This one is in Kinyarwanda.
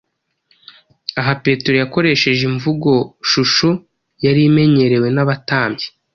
Aha Petero yakoresheje imvugoshusho yari imenyerewe n’abatambyi.